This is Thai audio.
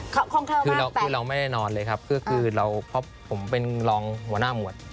ค่ะคล่องแควมากแต่เราไม่ได้นอนเลยครับคือคือเราเพราะผมเป็นรองหัวหน้าหมวด